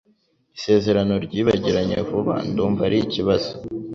Isezerano ryibagiranye vuba ndumva arikibazo